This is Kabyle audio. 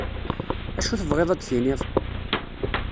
Acu tebɣiḍ ad tiniḍ?